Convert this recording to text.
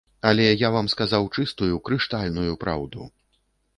Але я вам сказаў чыстую крыштальную праўду.